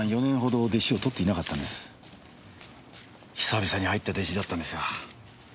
久々に入った弟子だったんですが。